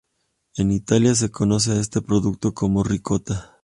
En Italia se conoce a este producto como ricota.